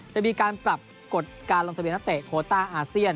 จะมีการปรับกฎการลงทะเบียนนักเตะโคต้าอาเซียน